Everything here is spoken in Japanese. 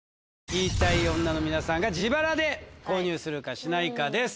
言いたい女の皆さんが自腹で購入するかしないかです